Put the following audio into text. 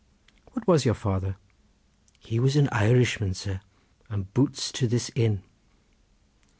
"What was your father?" "He was an Irishman, sir! and boots to this inn."